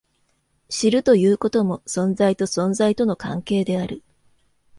知るということも、存在と存在との関係である。